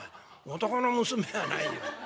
男の娘はないよ。